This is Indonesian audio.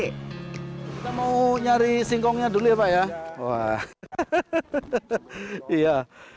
kita mau nyari singkongnya dulu ya pak ya